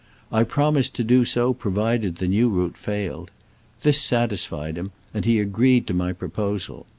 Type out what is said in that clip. I promised to do so provided the new route failed. This satisfied him, and he agreed to my proposal.